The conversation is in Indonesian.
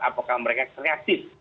apakah mereka kreatif